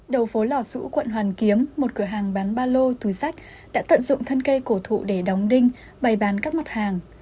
đầu phố lò xũ quận hoàn kiếm một cửa hàng bán ba lô túi sách đã tận dụng thân cây cổ thụ để đóng đinh bày bán các mặt hàng